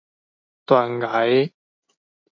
斷崖